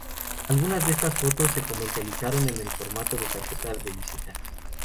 Algunas de estas fotos se comercializaron en el formato de tarjeta de visita.